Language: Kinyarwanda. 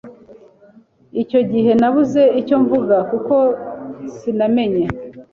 Icyo gihe nabuze icyo mvuga kuko sinamenye